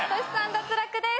脱落です。